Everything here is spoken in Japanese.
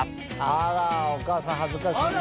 あらお母さん恥ずかしい。